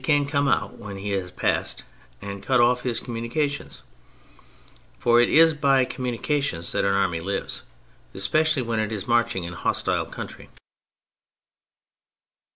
can come out when he has passed and cut off his communications ; for it is by com munications that an army lives, especially when it is marching in hostile country.